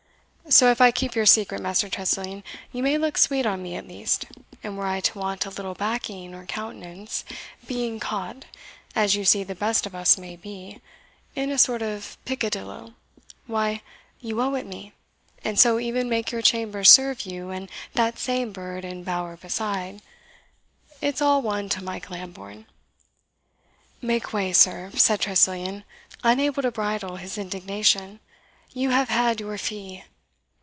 So if I keep your secret, Master Tressilian, you may look sweet on me at least; and were I to want a little backing or countenance, being caught, as you see the best of us may be, in a sort of peccadillo why, you owe it me and so e'en make your chamber serve you and that same bird in bower beside it's all one to Mike Lambourne." "Make way, sir," said Tressilian, unable to bridle his indignation, "you have had your fee."